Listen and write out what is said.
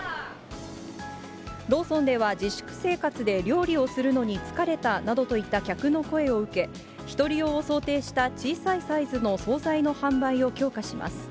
ローソンでは自粛生活で料理をするのに疲れたなどといった客の声を受け、１人用を想定した小さいサイズの総菜の販売を強化します。